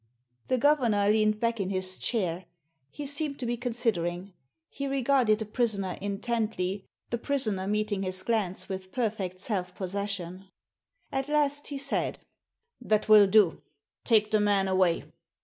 The governor leant back in his chair. He seemed to be considering. He r^arded the prisoner intently, the prisoner meeting his glance with perfect self possession. At last he said— "That will do. Take the man away."